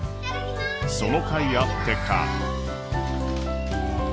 そのかいあってか。